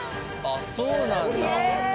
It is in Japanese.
あっそうなんだ。